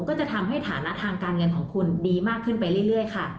ก็จะทำให้ฐานะทางการเงินของคุณดีมากขึ้นไปเรื่อยค่ะ